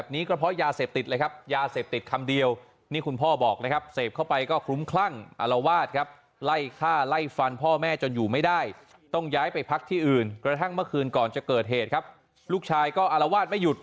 เนี่ยนะครับก็ยาเสพติดนะครับ